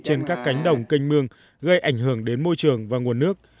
trên các cánh đồng canh mương gây ảnh hưởng đến môi trường và nguồn nước